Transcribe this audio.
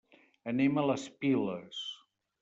Anem a les Piles.